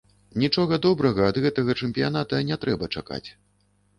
Нічога добрага ад гэтага чэмпіяната не трэба чакаць.